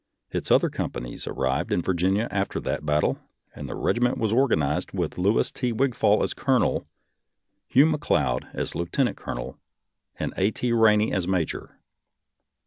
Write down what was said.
Its other companies arrived in Virginia after that battle, and the regiment was organized with Louis T. Wigfall as colonel, Hugh McLeod as lieutenant colonel, and A. T. Rainey as major.